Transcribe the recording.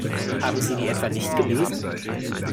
Haben Sie die etwa nicht gelesen?